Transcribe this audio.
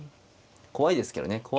怖いですけどね。